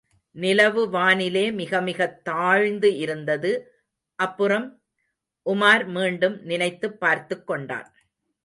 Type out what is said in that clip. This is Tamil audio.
நிலவு வானிலே மிகமிகத் தாழ்ந்து இருந்தது. அப்புறம்? உமார் மீண்டும் நினைத்துப் பார்த்துக் கொண்டான்.